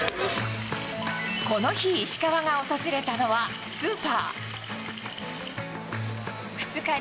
この日、石川が訪れたのはスーパー。